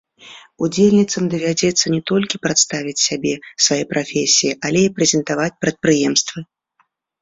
Удзельніцам давядзецца не толькі прадставіць сябе, свае прафесіі, але і прэзентаваць прадпрыемствы.